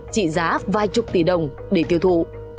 trị giá vài chục tỷ đồng để tiêu thụ